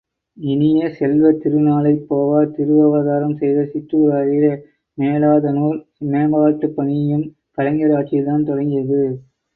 இனிய செல்வ, திருநாளைப் போவார் திருவவதாரம் செய்த சிற்றூராகிய, மேலாதனுார் மேம்பாட்டுப்பணியும் கலைஞர் ஆட்சியில் தான் தொடங்கியது.